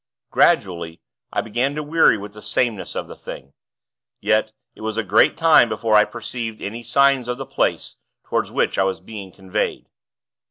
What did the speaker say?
Gradually, I began to weary with the sameness of the thing. Yet, it was a great time before I perceived any signs of the place, toward which I was being conveyed.